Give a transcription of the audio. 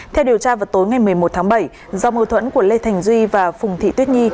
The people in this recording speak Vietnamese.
theo điều tra vào tối ngày một mươi một tháng bảy do mâu thuẫn của lê thành duy và phùng thị tuyết nhi